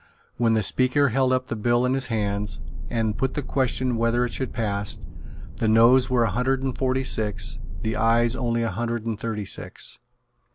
When the Speaker held up the bill in his hands, and put the question whether it should pass, the Noes were a hundred and forty six, the Ayes only a hundred and thirty six.